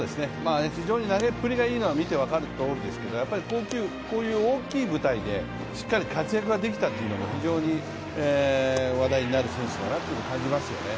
非常に投げっぷりがいいのは見て分かると思うんですけどこういう大きい舞台でしっかり活躍ができたというのも非常に話題になる選手だなと感じますよね。